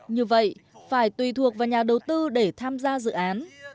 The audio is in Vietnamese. như vậy phải tùy thuộc vào nhà đầu tư để tham gia dự án